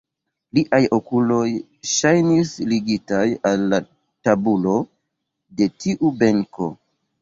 Liaj okuloj ŝajnis ligitaj al la tabulo de tiu benko.